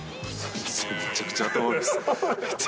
めちゃくちゃ頭悪いです。